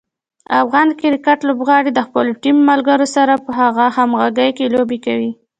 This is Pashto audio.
افغان کرکټ لوبغاړي د خپلو ټیم ملګرو سره په ښه همغږي کې لوبې کوي.